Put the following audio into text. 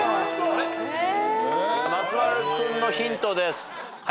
松丸君のヒントです。